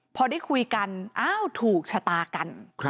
พอได้คุยกันอ้าวถูกชะตากัน